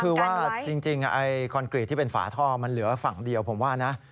คือว่าจริงคอนกรีตที่เป็นฝาท่อมันเหลือฝั่งเดียวผมว่านะ